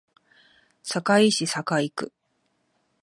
堺市堺区